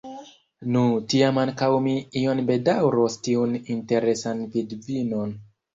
Nu, tiam ankaŭ mi iom bedaŭros tiun interesan vidvinon.